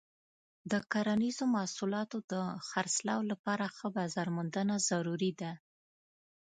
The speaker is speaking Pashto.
د کرنیزو محصولاتو د خرڅلاو لپاره ښه بازار موندنه ضروري ده.